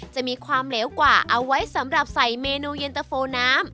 จะมีความเหลวกว่าเอาไว้สำหรับใส่เมนูเย็นตะโฟน้ำ